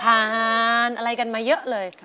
ทานอะไรกันมาเยอะเลย